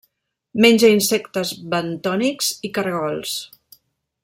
Menja insectes bentònics i caragols.